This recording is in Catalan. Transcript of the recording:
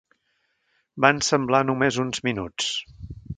Van semblar només uns minuts.